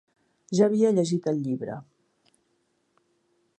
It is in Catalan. Ja havia llegit el llibre.